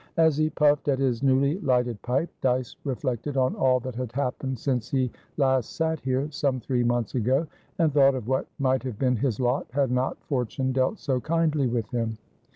As he puffed at his newly lighted pipe, Dyce reflected on all that had happened since he last sat here, some three months ago, and thought of what might have been his lot had not fortune dealt so kindly with him.